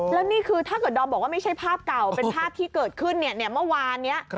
แล้วนี่คือถ้าเกิดดอมบอกว่าไม่ใช่ภาพเก่าเป็นภาพที่เกิดขึ้นเนี่ยเมื่อวานนี้